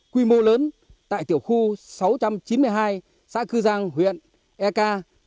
quy mô lớn tại tiểu khu sáu trăm chín mươi hai xã cư giang huyện eka